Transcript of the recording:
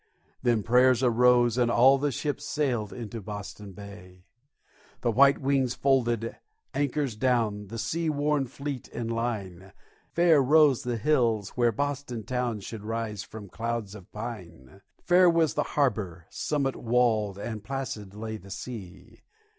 Then prayer arose, and all the ships Sailed into Boston Bay. The white wings folded, anchors down, The sea worn fleet in line, Fair rose the hills where Boston town Should rise from clouds of pine; Fair was the harbor, summit walled, And placid lay the sea.